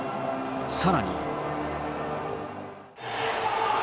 さらに。